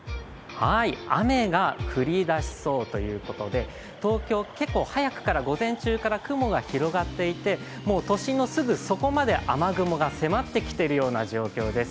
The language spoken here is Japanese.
雨が降り出しそうということで東京、結構早くから、午前中から雲が広がっていてもう都心のすぐそこまで雨雲が迫ってきているような状況です。